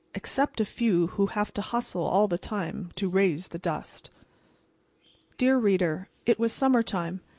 Except a few who have to hust Le all the time To raise the dust._" Dear Reader: It was summertime.